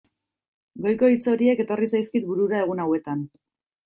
Goiko hitz horiek etorri zaizkit burura egun hauetan.